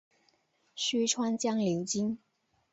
虚川江流经。